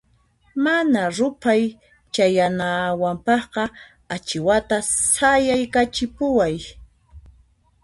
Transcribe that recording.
Mana ruphay chayanawanpaqqa achiwata sayaykachipuway.